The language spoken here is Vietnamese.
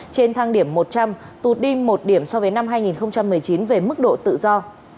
trên thang điểm một trăm linh tụt đi một điểm so với năm hai nghìn một mươi chín về mức độ tự do